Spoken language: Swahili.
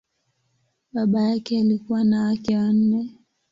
Baba yake alikuwa na wake wanne.